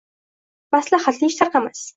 Maslahatli ish tarqamas.